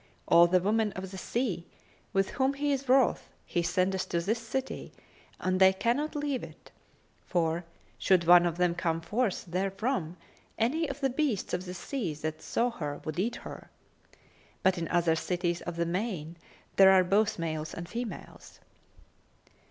All the women of the sea, with whom he is wroth, he sendeth to this city, and they cannot leave it; for, should one of them come forth therefrom, any of the beasts of the sea that saw her would eat her. But in other cities of the main there are both males and females."